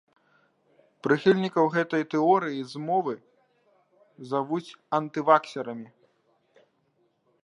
Прыхільнікаў гэтай тэорыі змовы завуць антываксерамі.